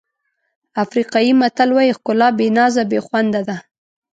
افریقایي متل وایي ښکلا بې نازه بې خونده ده.